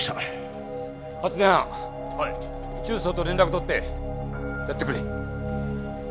中操と連絡取ってやってくれ。